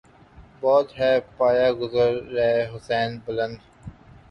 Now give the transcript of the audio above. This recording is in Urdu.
بہت ہے پایۂ گردِ رہِ حسین بلند